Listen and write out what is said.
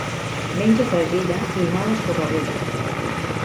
Menja fregida i mal escorreguda.